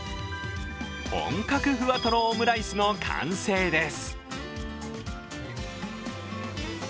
本格ふわとろオムライスの完成です。